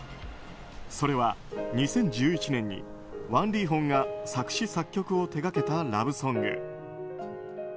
それは２０１１年にワン・リーホンが作詞・作曲を手掛けたラブソング。